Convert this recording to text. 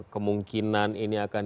kemungkinan ini akan